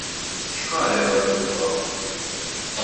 X'kariga jokkupaw?